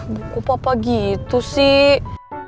buku papa gitu sih